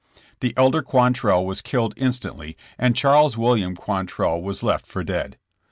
The elder Quantrell was killed instantly and Charles William Quantrell was left for dead.